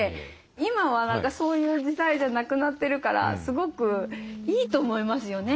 今はそういう時代じゃなくなってるからすごくいいと思いますよね。